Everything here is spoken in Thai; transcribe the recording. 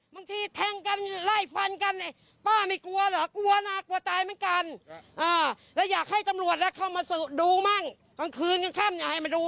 แล้วก็บางทีก็มาชักคลับทางซอยอะไรก็ไม่รู้